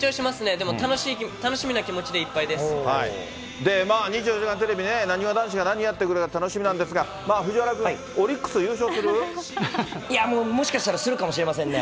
でも楽しみな気持ちでいっぱいで２４時間テレビ、なにわ男子が何をやってくれるか楽しみなんですが、藤原君、いや、もう、もしかしたらするかもしれませんね。